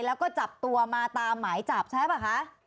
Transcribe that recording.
แล้วก็จับตัวมาตามหมายจับใช่ป่ะคะ